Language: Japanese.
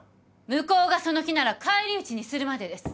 向こうがその気なら返り討ちにするまでです。